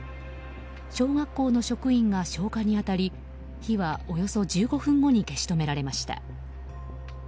小学校の職員が消火に当たり火はおよそ１５分後に消し止められました。